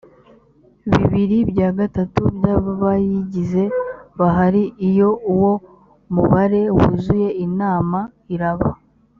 bibiri bya gatatu by’abayigize bahari iyo uwo mubare wuzuye inama iraba